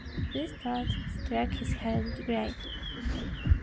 This thought struck his heart greatly.